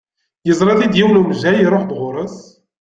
Yeẓra-t-id yiwen umejjay iruḥ-d ɣur-s.